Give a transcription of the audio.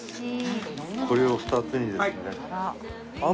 これを２つにですね。